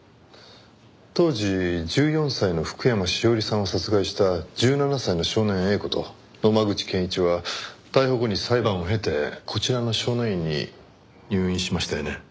当時１４歳の福山しおりさんを殺害した１７歳の少年Ａこと野間口健一は逮捕後に裁判を経てこちらの少年院に入院しましたよね？